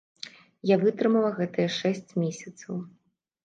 Я вытрымала гэтыя шэсць месяцаў.